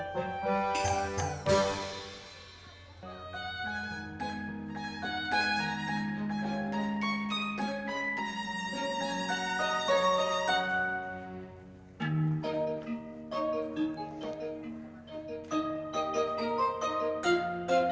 mas pur kasih ya